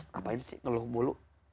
ngapain sih ngeluh mulu